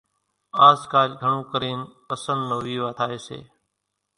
آزڪالِ گھڻون ڪرينَ پسنۮ نو ويوا ٿائيَ سي۔